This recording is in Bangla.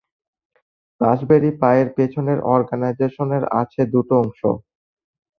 রাস্পবেরি পাইয়ের পেছনের অর্গানাইজেশনের আছে দুটো অংশ।